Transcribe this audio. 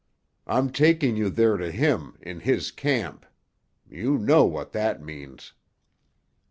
I'm taking you there to him—in his camp. You know what that means.